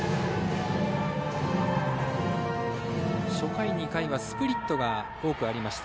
初回２回はスプリットが多くありました。